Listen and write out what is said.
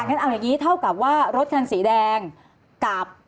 งั้นเอาอย่างนี้เท่ากับว่ารถคันสีแดงกับ